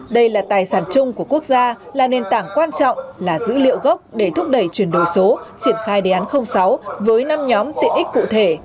đây là tài sản chung của quốc gia là nền tảng quan trọng là dữ liệu gốc để thúc đẩy chuyển đổi số triển khai đề án sáu với năm nhóm tiện ích cụ thể